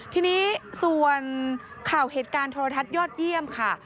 ทีนี้ส่วนข่าวเหตุการณ์โทรทัศน์ยอดเยี่ยมค่ะ